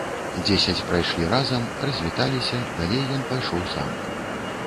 Дзесяць прайшлі разам, развіталіся, далей ён пайшоў сам.